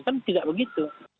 kan tidak begitu